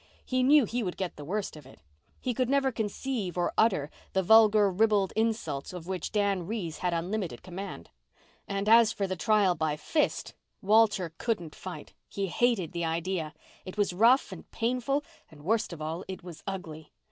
He knew he would get the worst of it. He could never conceive or utter the vulgar, ribald insults of which Dan Reese had unlimited command. And as for the trial by fist, Walter couldn't fight. He hated the idea. It was rough and painful—and, worst of all, it was ugly.